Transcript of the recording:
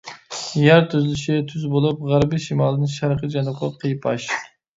يەر تۈزۈلۈشى تۈز بولۇپ، غەربىي شىمالدىن شەرقىي جەنۇبقا قىيپاش.